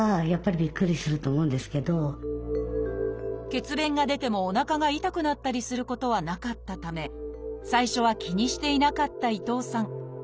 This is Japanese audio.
血便が出てもおなかが痛くなったりすることはなかったため最初は気にしていなかった伊藤さん。